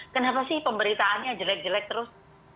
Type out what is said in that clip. kenapa sih pemberitaannya jelek jelek terus